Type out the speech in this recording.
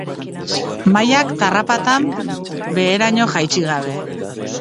Mailak tarrapatan beheraino jaitsi gabe.